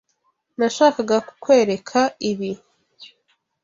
Nashakaga kukwereka ibi.